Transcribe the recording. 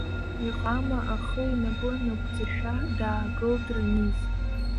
Иҟама ахы инапы нақәҵашәа даагылт Рамиз.